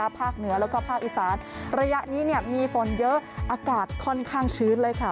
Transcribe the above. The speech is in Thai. ภาคเหนือแล้วก็ภาคอีสานระยะนี้มีฝนเยอะอากาศค่อนข้างชื้นเลยค่ะ